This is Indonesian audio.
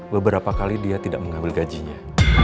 beberapa kali dia tidak mengambil gajinya